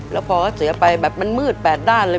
แล้วพอเขาเสียไปแบบมันมืดแปดด้านเลย